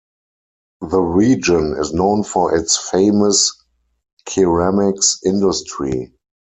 The region is known for its famous ceramics industry.